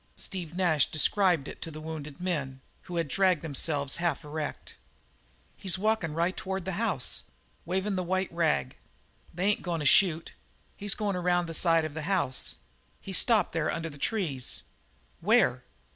Steve Nash described it to the wounded men, who had dragged themselves half erect. "He's walkin' right toward the house, wavin' the white rag. They ain't goin' to shoot. He's goin' around the side of the house. He's stopped there under the trees." "Where?"